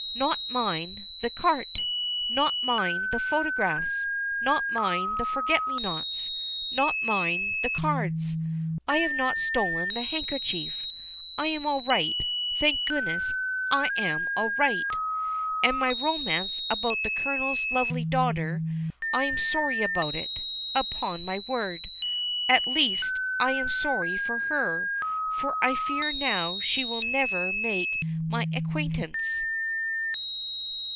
Not mine the carte. Not mine the photographs. Not mine the forget me nots. Not mine the cards. I have not stolen the handkerchief. I am all right; thank goodness I am all right! And my romance about the Colonel's lovely daughter I am sorry about it, upon my word. At least, I am sorry for her, for I fear now she will never make my acquaintance.